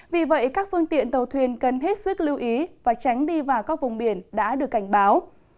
vì vậy các phương tiện tàu thuyền cần hết sức lưu ý và tránh đi vào các vùng biển đã được cảnh báo